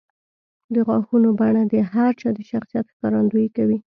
د غاښونو بڼه د هر چا د شخصیت ښکارندویي کوي.